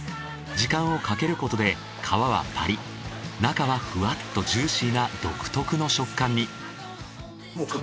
時間をかけることで皮はパリッ中はフワッとジューシーな独特の食感に。